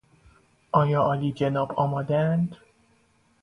آیا عالیجناب آمادهاند؟